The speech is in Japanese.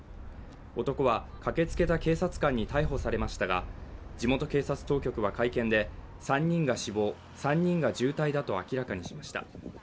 男は駆けつけた警察官に逮捕されましたが地元警察当局は会見で、３人が死亡、３人が重体だと明らかにしました。